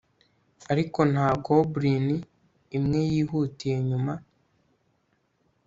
Ariko nta goblin imwe yihutiye nyuma